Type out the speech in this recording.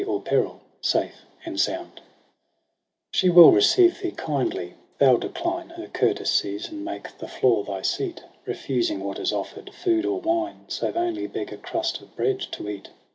ao2 EROS & PSYCHE H ' She will receive thee kindly ■ thou decline Her courtesies, and make the floor thy seat ; Refusing what is offer'd, food or wine ; Save only beg a crust of bread to eat.